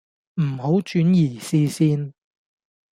唔好轉移視線